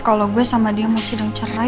kalau gue sama dia masih dalam cerai